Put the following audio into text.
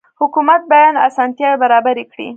حکومت باید اسانتیاوې برابرې کړي.